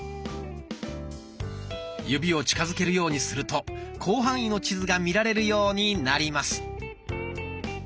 指を近づけるようにすると広範囲の地図が見られるようになります。